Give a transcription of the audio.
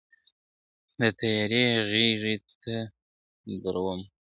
د تیارې غېږي ته درومم !.